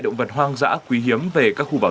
động vật hoang dã quý hiếm về các khu bảo